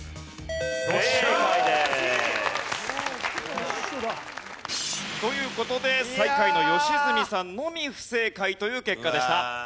よっしゃ！という事で最下位の良純さんのみ不正解という結果でした。